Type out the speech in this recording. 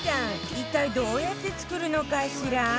一体どうやって作るのかしら？